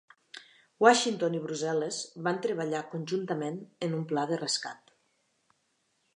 Washington i Brussel·les van treballar conjuntament en un pla de rescat.